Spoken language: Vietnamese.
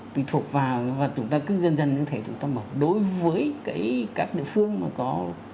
tùy thuộc vào và chúng ta cứ dần dần như thế đối với các địa phương mà có